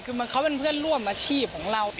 คือเขาเป็นเพื่อนร่วมอาชีพของเรา